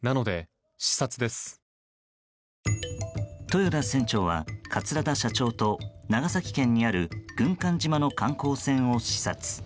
豊田船長は桂田社長と長崎県にある軍艦島の観光船を視察。